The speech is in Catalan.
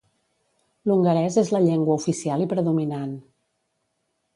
L'hongarès és la llengua oficial i predominant.